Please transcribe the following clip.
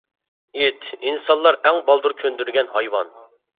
ئىت ئىنسانلار ئەڭ بالدۇر كۆندۈرگەن ھايۋان.